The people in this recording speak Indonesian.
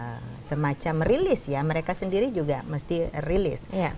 karena caregiver itu yang sehari hari berhadapan dengan korban korban ini juga perlu untuk kita berikan semacam release